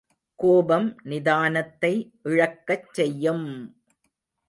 கோபம் நிதானத்தை இழக்கச் செய்யும்!